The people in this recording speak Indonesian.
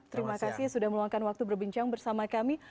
terima kasih sudah meluangkan waktu berbincang bersama kami